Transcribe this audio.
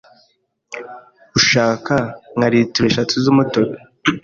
Ushaka nka litiro eshatu z’umutobe